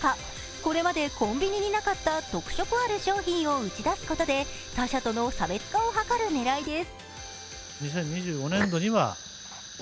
これまでコンビニになかった特色ある商品を打ち出すことで他社との差別化を図る狙いです。